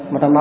mà trong đó